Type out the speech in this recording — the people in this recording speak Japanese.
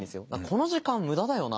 「この時間無駄だよな」